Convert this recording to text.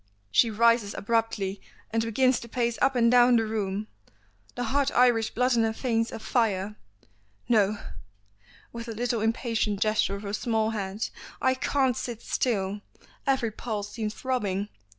She rises abruptly and begins to pace up and down the room, the hot Irish blood in her veins afire. "No" with a little impatient gesture of her small hand "I can't sit still. Every pulse seems throbbing.